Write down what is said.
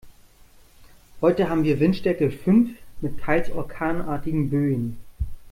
Heute haben wir Windstärke fünf mit teils orkanartigen Böen.